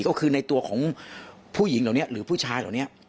ก็คือในตัวของผู้หญิงเหล่านี้หรือผู้ชายเหล่านี้